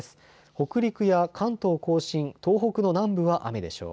北陸や関東甲信、東北の南部は雨でしょう。